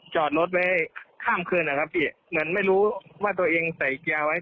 จอดรถไว้ข้ามคืนนะครับพี่เหมือนไม่รู้ว่าตัวเองใส่เกียร์ไว้